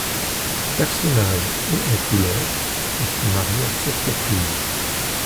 Personnage haut en couleurs, il fut marié à sept reprises.